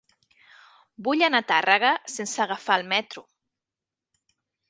Vull anar a Tàrrega sense agafar el metro.